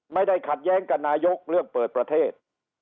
ไม่ได้ขัดแย้งกับนายกเรื่องเปิดประเทศ